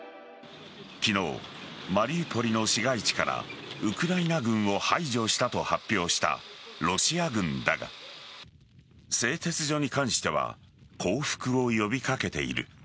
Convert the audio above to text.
昨日、マリウポリの市街地からウクライナ軍を排除したと発表したロシア軍だが製鉄所に関しては降伏を呼び掛けている。